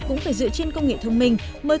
cũng phải dựa trên công nghệ thông minh mới